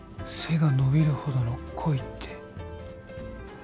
背が伸びるほどの恋って？